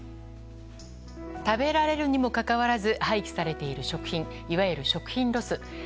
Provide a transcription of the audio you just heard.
食べられるにもかかわらず廃棄されている食品いわゆる食品ロス。